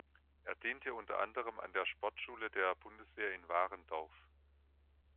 Er diente unter anderem an der Sportschule der Bundeswehr in Warendorf.